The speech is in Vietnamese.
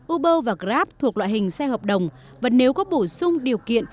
uber và grab thuộc loại hình xe hợp đồng và nếu có bổ sung điều kiện